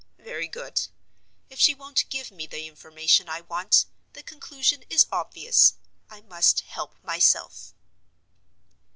Very good. If she won't give me the information I want, the conclusion is obvious—I must help myself.